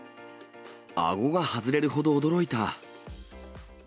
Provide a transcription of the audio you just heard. あごが外れるほど驚いた。